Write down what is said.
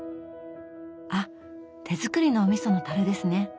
あ手作りのおみその樽ですね。